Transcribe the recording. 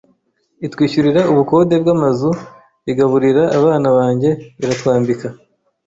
itwishyurira ubukode bw’amazu, igaburira abana banjye iratwambika